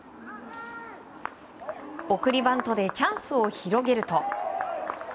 送りバントでチャンスを広げると。